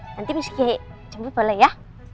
nanti miss gigi jemput boleh ya